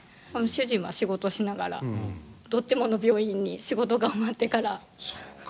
主人は仕事しながらどっちもの病院に仕事が終わってから。